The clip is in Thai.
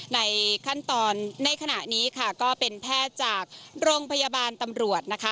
ในขั้นตอนในขณะนี้ค่ะก็เป็นแพทย์จากโรงพยาบาลตำรวจนะคะ